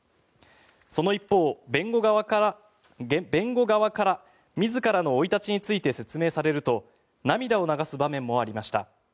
その一方、弁護側から自らの生い立ちについて説明されると涙を流す場面もありました。